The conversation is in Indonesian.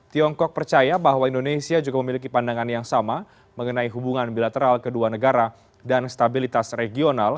tiongkok percaya bahwa indonesia juga memiliki pandangan yang sama mengenai hubungan bilateral kedua negara dan stabilitas regional